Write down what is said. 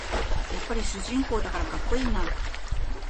やっぱり主人公だからかっこいいな